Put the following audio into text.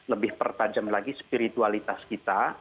lebih pertajam lagi spiritualitas kita